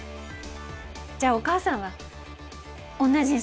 じゃあお母さんは同じにする。